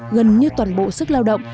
gần như toàn bộ sức lao động